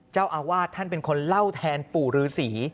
เจ้าอาวาสท่านเป็นคนเล่าแทนปู่ฤษี